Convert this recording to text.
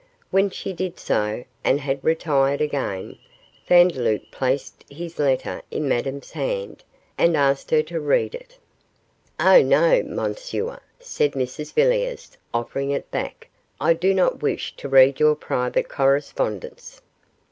When she did so, and had retired again, Vandeloup placed his letter in Madame's hand, and asked her to read it. 'Oh, no, Monsieur,' said Mrs Villiers, offering it back, 'I do not wish to read your private correspondence.